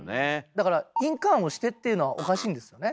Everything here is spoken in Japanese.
だから「印鑑押して」っていうのはおかしいんですよね。